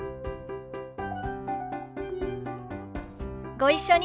ご一緒に。